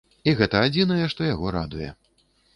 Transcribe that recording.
І гэта адзінае, што яго радуе.